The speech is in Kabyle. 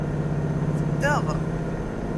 Beddeɣ.